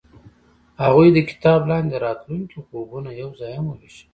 هغوی د کتاب لاندې د راتلونکي خوبونه یوځای هم وویشل.